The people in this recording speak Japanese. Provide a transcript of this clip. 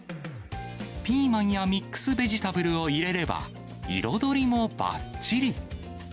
ピーマンやミックスベジタブルを入れれば、彩りもばっちり。